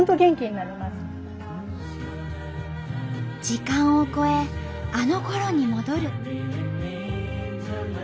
時間を超えあのころに戻る。